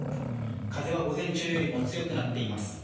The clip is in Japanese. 風は午前中より強くなっています。